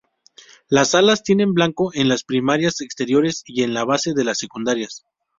Las alas tienen blanco en las primarias exteriores y la base de las secundarias.